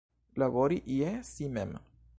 Labori je si mem.